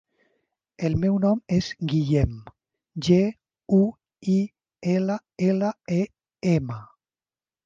El meu nom és Guillem: ge, u, i, ela, ela, e, ema.